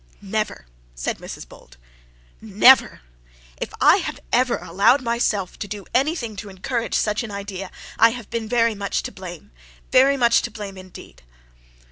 'Never!,' said Mrs Bold, 'never. If I have ever allowed myself to do anything to encourage such an idea, I have been very much to blame, very much to blame, indeed.'